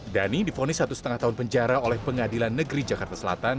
dhani difonis satu lima tahun penjara oleh pengadilan negeri jakarta selatan